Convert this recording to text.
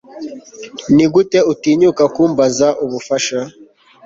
Nigute utinyuka kumbaza ubufasha